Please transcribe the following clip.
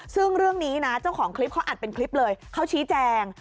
ซึ่งเรื่องนี้นะเจ้าของคลิปเขาอัดเป็นคลิปเลยเขาชี้แจง